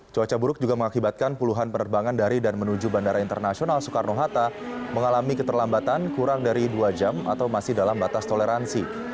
cuaca buruk juga mengakibatkan puluhan penerbangan dari dan menuju bandara internasional soekarno hatta mengalami keterlambatan kurang dari dua jam atau masih dalam batas toleransi